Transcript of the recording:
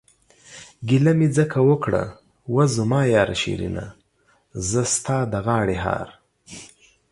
گيله مې ځکه اوکړه وا زما ياره شيرينه، زه ستا د غاړې هار...